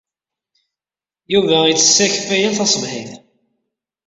Yuba ittess akeffay yal taṣebḥit.